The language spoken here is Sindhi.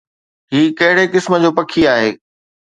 هي ڪهڙي قسم جو پکي آهي؟